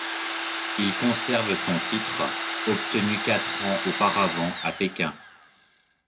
Il conserve son titre obtenu quatre ans auparavant à Pékin.